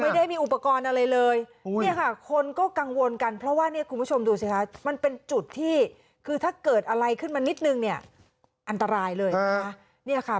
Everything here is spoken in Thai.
ไม่ได้มีอุปกรณ์อะไรเลยครับคุณผู้ชมดูสิมันเป็นจุดที่คือถ้าเกิดอะไรขึ้นมานิดนึงเนี่ยอันตรายเลยค่ะ